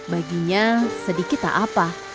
baginya sedikit tak apa